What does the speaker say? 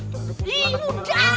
tante kemana kemana lu